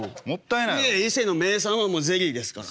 いやいや伊勢の名産はもうゼリーですから。